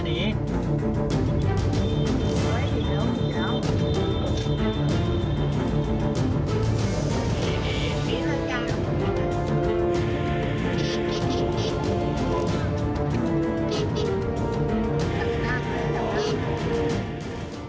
นี่ค่ะ